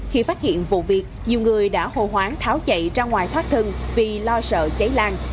khi phát hiện vụ việc nhiều người đã hồ hoáng tháo chạy ra ngoài thoát thân vì lo sợ cháy lan